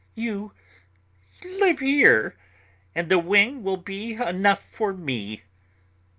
"You live here, and the wing will be enough for me.